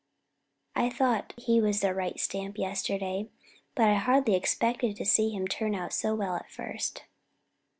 I thought he was the right stamp yesterday, but I hardly expected to see him turn out so well at first."